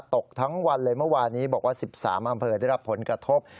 ตกทั้งวันเลยเมื่อวานี้บอกว่า๑๓อำเภอได้รับผลกระทบ